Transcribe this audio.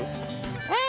うん！